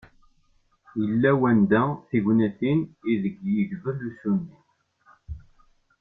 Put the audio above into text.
Yella wanda, tignatin i deg yegdel uṣuni.